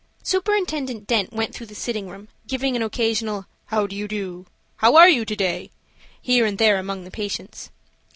Superintendent Dent went through the sitting room, giving an occasional "How do you do?" "How are you to day?" here and there among the patients.